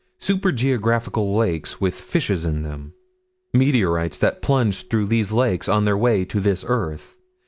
Super geographical lakes with fishes in them. Meteorites that plunge through these lakes, on their way to this earth.